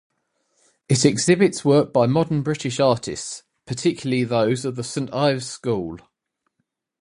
It exhibits work by modern British artists, particularly those of the Saint Ives School.